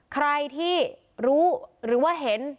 ใครที่รู้หรือว่าเห็น